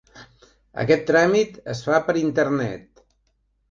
Aquest tràmit es fa per Internet.